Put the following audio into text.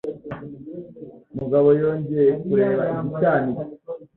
Mugabo yongeye kureba igiciro.